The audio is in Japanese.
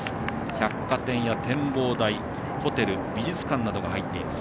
百貨店や展望台、ホテル美術館などが入っています。